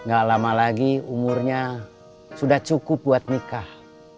gak lama lagi umurnya sudah cukup buat nikah